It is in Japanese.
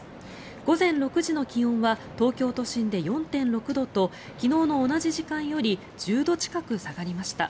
午前６時の気温は東京都心で４．６度と昨日の同じ時間より１０度近く下がりました。